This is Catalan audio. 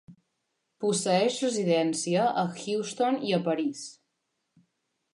Posseeix residència a Houston i a París.